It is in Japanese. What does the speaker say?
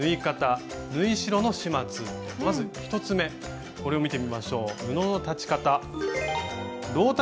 まず１つめこれを見てみましょう。